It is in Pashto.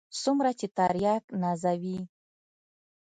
څومره چې ترياک نازوي.